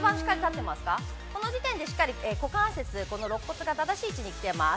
この時点で、しっかり股関節、ろっ骨が正しい位置に来てます。